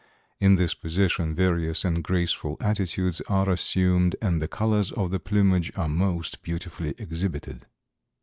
In this position various and graceful attitudes are assumed and the colors of the plumage are most beautifully exhibited.